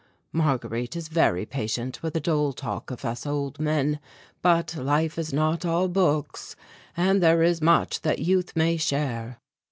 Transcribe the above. Marguerite is very patient with the dull talk of us old men, but life is not all books, and there is much that youth may share."